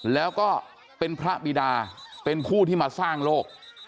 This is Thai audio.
แล้วก็เป็นพระบิดาเป็นผู้ที่มาสร้างโลก